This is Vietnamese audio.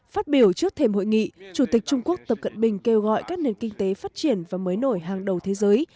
phát biểu trước thềm hội nghị chủ tịch trung quốc tập cận bình kêu gọi các nền kinh tế phát triển và mới nổi hàng đầu thế giới